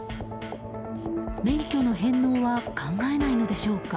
免許の返納は考えないのでしょうか？